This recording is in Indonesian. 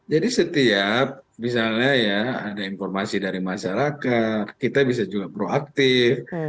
jadi setiap misalnya ya ada informasi dari masyarakat kita bisa juga proaktif